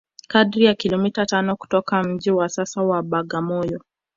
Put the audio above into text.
Kadri ya kilomita tano kutoka mji wa sasa wa Bagamoyo